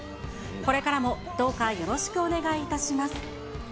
これからもどうかよろしくお願いいたします。